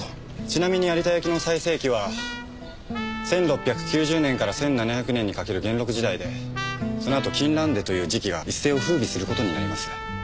ちなみに有田焼の最盛期は１６９０年から１７００年にかかる元禄時代でその後金襴手という磁器が一世を風靡する事になります。